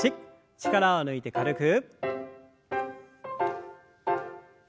力を抜いて軽く。